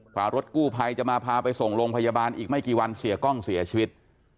กว่ารถกู้ภัยจะมาพาไปส่งโรงพยาบาลอีกไม่กี่วันเสียกล้องเสียชีวิต